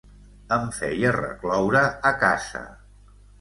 Em feia recloure a casa.